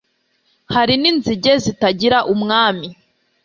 Hari n’inzige zitagira umwami